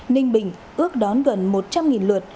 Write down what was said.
ninh bình ước đón gần một trăm linh lượt